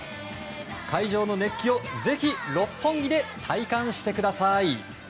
会場の熱気をぜひ六本木で体感してください。